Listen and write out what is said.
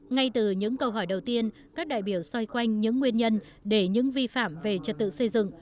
ngay từ những câu hỏi đầu tiên các đại biểu xoay quanh những nguyên nhân để những vi phạm về trật tự xây dựng